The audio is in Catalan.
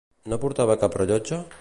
No portava cap rellotge?